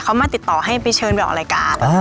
เขามาติดต่อให้ไปเชิญไปออกรายการ